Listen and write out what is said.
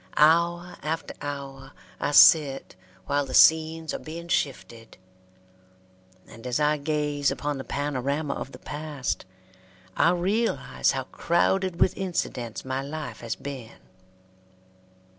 Hour after hour I sit while the scenes are being shifted; and as I gaze upon the panorama of the past, I realize how crowded with incidents my life has been.